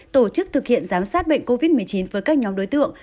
tổ chức thực hiện giám sát bệnh covid một mươi chín với các nhóm đối tượng